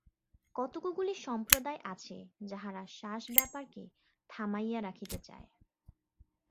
কতকগুলি সম্প্রদায় আছে, যাহারা শ্বাস-ব্যাপারকে থামাইয়া রাখিতে চায়।